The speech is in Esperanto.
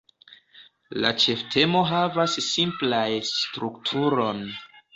La ĉeftemo havas simplaj strukturon.